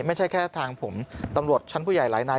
ไม่ใช่แค่ทางผมตำรวจชั้นผู้ใหญ่หลายนาย